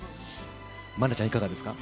愛菜ちゃん、いかがですか。